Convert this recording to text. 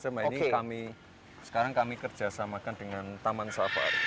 jadi sekarang ini kami sekarang kami kerjasamakan dengan taman safari